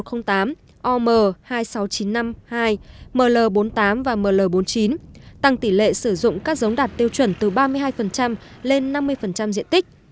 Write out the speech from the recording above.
om hai mươi sáu nghìn chín trăm năm mươi hai ml bốn mươi tám và ml bốn mươi chín tăng tỷ lệ sử dụng các giống đạt tiêu chuẩn từ ba mươi hai lên năm mươi diện tích